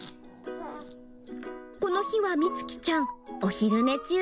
この日はみつきちゃんお昼寝中。